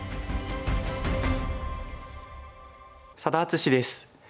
佐田篤史です。